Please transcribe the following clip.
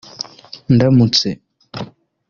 Ndamutse